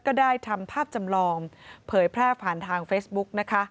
ก็ได้ทำภาพจำลองเผยแพร่ผ่านทางเฟซบุ๊กนะคะ